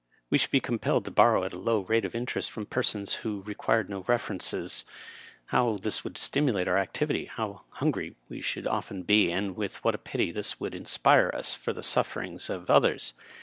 We should be compelled to borrow at a low rate of interest from persons who re quired no references. How this would stimulate our activity 1 How hungry we should often be, and with what pity would this inspire us for the sufferings of others